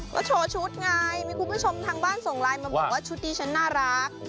ก็โชว์ชุดไงมีคุณผู้ชมทางบ้านส่งไลน์มาบอกว่าชุดนี้ฉันน่ารัก